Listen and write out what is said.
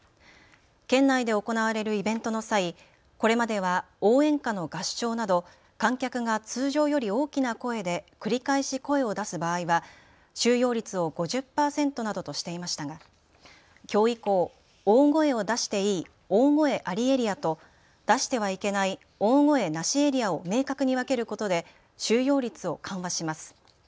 県内で行われるイベントの際、これまでは応援歌の合唱など観客が通常より大きな声で繰り返し声を出す場合は収容率を５０％などとしていましたがきょう以降、大声を出していい大声ありエリアと出してはいけない大声なしエリアを明確に分けることで収容率を緩和します。